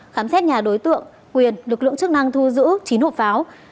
khám xét nhà đối tượng quyền lực lượng chức năng thu giữ chín hộp pháo